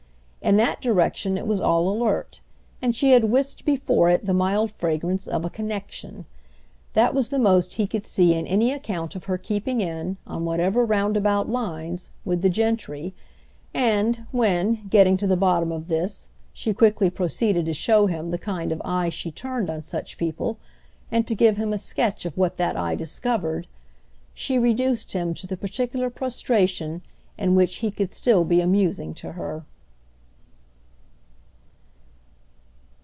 In that direction it was all alert, and she had whisked before it the mild fragrance of a "connexion." That was the most he could see in any account of her keeping in, on whatever roundabout lines, with the gentry; and when, getting to the bottom of this, she quickly proceeded to show him the kind of eye she turned on such people and to give him a sketch of what that eye discovered, she reduced him to the particular prostration in which he could still be amusing to her.